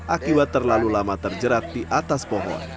akibat terlalu lama terjerat di atas pohon